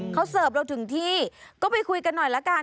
เขาเสิร์ฟเราถึงที่ก็ไปคุยกันหน่อยละกัน